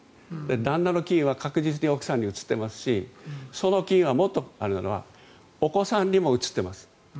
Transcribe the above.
旦那の菌は確実に奥さんに移っていますしその菌は、もっとあれなのがお子さんにも移ってます。